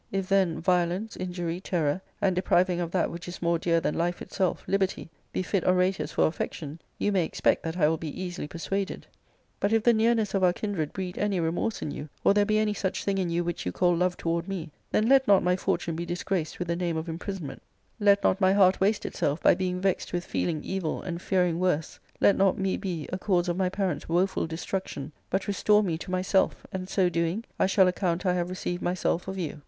If, then, violence, injury, terror, and depriving of that which is more dear than life itself— liberty — ^be fit orators for affection, you may expect that I will be easily persuaded. But if the nearness of our kindred breed any remorse in you, or there be any such thing in you which you call love toward me, then let not my fortune be disgraced with the name of imprisonment ; let not my heart 2SB ARCADIA.^Baok III. watte Itself hy being vexed with feeling evil and fearing worse. Let not me be a cause of my parents' woeful de struction^ but restore me to myself and, so doing, I shall account I have received myself of you.